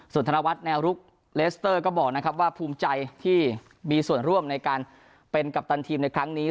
ส่วนธนวัฒน์แนวรุกเลสเตอร์ก็บอกนะครับว่าภูมิใจที่มีส่วนร่วมในการเป็นกัปตันทีมในครั้งนี้